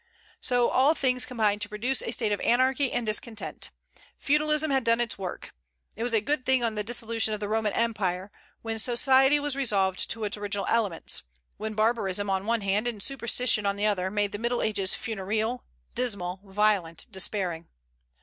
So all things combined to produce a state of anarchy and discontent. Feudalism had done its work. It was a good thing on the dissolution of the Roman Empire, when society was resolved into its original elements, when barbarism on the one hand, and superstition on the other, made the Middle Ages funereal, dismal, violent, despairing.